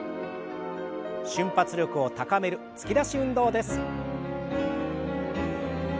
瞬発力を高める突き出し運動です。